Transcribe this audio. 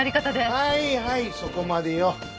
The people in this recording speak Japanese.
はいはいそこまでよ。